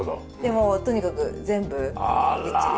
もうとにかく全部ぎっちり。